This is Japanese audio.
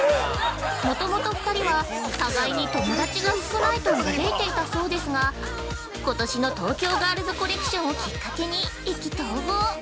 もともと２人は、互いに友達が少ないと嘆いていていたそうですが、ことしの東京ガールズコレクションをきっかけに意気投合。